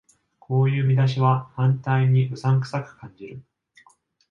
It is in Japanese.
こういう見出しは反対にうさんくさく感じる